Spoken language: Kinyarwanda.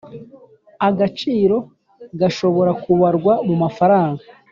agaciro gashobora kubarwa mu mafaranga